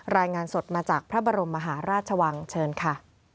รายงานสดมาจากพระบรมมหาราชวังเชิญค่ะ